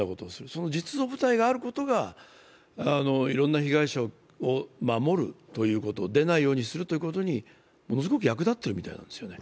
その実働部隊があることが、いろんな被害者を守るということ、出るないようにすることにものすごく役立ってるみたいなんですよね。